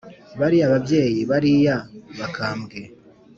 bariya babyeyi bariya bakambwe